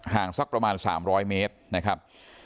สักประมาณ๓๐๐เมตรนะครับ